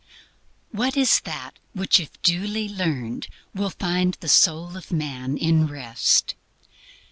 What is that which if duly learned will find the soul of man in Rest?